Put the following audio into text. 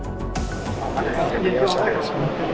saya sendiri sudah memberikan selamat